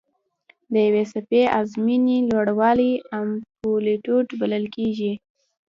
د یوې څپې اعظمي لوړوالی امپلیتیوډ بلل کېږي.